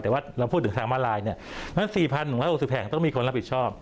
แต่ว่าเราพูดถึงทางมาลายเนี่ยงั้น๔๑๖๐แห่งต้องมีคนรับผิดชอบ